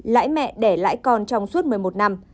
lãi mẹ để lãi con trong suốt một mươi một năm